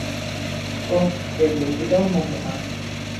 ওহ, এই বুদ্ধিটাও মন্দ না!